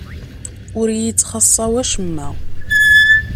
Ur iyi-ttxaṣṣa wacemma.